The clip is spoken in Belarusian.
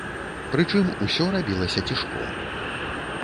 Прычым, усё рабілася цішком.